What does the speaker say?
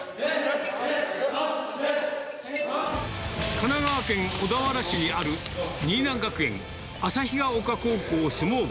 神奈川県小田原市にある、新名学園旭丘高校相撲部。